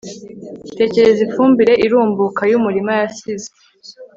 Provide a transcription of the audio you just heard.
Tekereza ifumbire irumbuka yumurima yasize